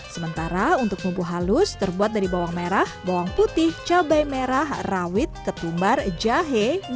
sementara untuk bumbu halus terbuat dari bawang merah bawang putih cabai merah rawit ketumbar jahe